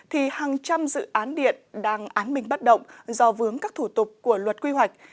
thì hàng trăm dự án điện đang án minh bất động do vướng các thủ tục của luật quy hoạch